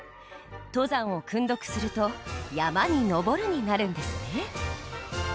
登山を訓読すると「山に登る」になるんですね。